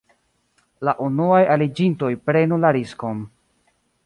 La unuaj aliĝintoj prenu la riskon...